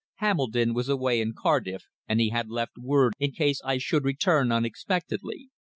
Hambledon was away in Cardiff, and he had left word in case I should return unexpectedly.